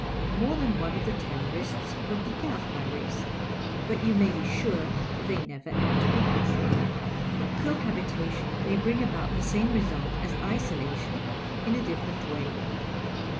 More than one of the Terrorists were Picards by race, but you may be sure they never ate pickles. But cohabitation may bring about the same result as isolation, in a different way.